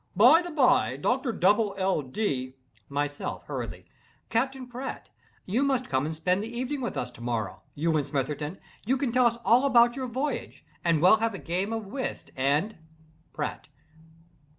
By the by, Doctor Dubble L. Dee—" MYSELF. (Hurriedly.) "Captain Pratt, you must come and spend the evening with us to morrow—you and Smitherton—you can tell us all about your voyage, and we'll have a game of whist and—" PRATT.